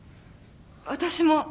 私も。